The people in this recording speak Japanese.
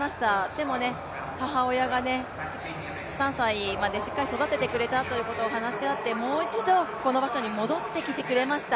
でも、母親が３歳までしっかり育ててくれたということを話し合ってもう一度この場所に戻ってきてくれました。